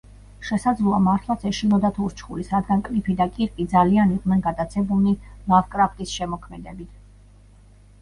შესაძლოა, მართლაც ეშინოდათ ურჩხულის, რადგან კლიფი და კირკი ძალიან იყვნენ გატაცებულნი ლავკრაფტის შემოქმედებით.